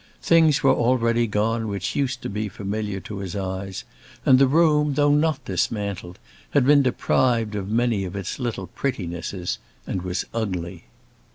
Things were already gone which used to be familiar to his eyes, and the room, though not dismantled, had been deprived of many of its little prettinesses and was ugly.